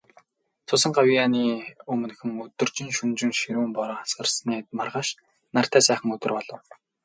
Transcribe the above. Цусан гавьяаны өмнөхөн, өдөржин, шөнөжин ширүүн бороо асгарсны маргааш нартай сайхан өдөр болов.